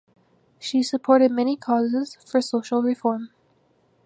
She supported many causes for social reform.